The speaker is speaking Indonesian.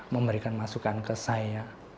memberikan masukan ke saya